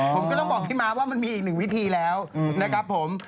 ผมก็ต้องบอกพี่ม้าว่ามันมีอีกหนึ่งวิธีแล้วนะครับผม